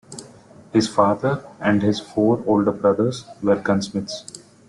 His father and his four older brothers were gunsmiths.